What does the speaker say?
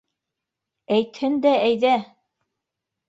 — Әйтһен дә, әйҙә!